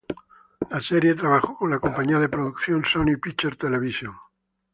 La serie trabajó con la compañía de producción "Sony Pictures Television".